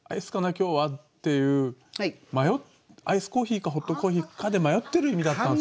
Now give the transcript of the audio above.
今日は」っていうアイスコーヒーかホットコーヒーかで迷ってる意味だったんですよ。